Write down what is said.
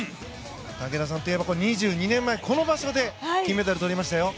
武田さんといえば、２２年前この場所で金メダルをとりました。